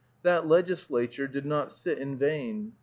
That legislature did not sit in vain.